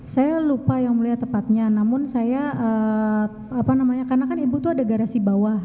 saya lupa yang mulia tepatnya namun saya apa namanya karena kan ibu tuh ada garasi bawah